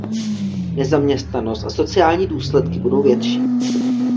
Nezaměstnanost a sociální důsledky budou větší.